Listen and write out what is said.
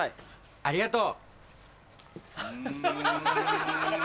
ありがとう。